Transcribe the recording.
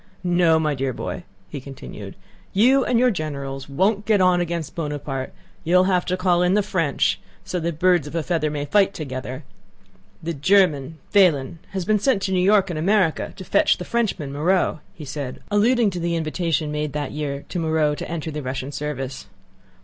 No, my dear boy," he continued, "you and your generals won't get on against Buonaparte; you'll have to call in the French, so that birds of a feather may fight together. The German, Pahlen, has been sent to New York in America, to fetch the Frenchman, Moreau," he said, alluding to the invitation made that year to Moreau to enter the Russian service....